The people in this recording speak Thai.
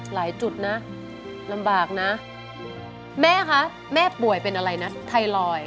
หลายจุดนะลำบากนะแม่คะแม่ป่วยเป็นอะไรนะไทรอยด์